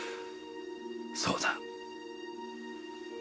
そうだ。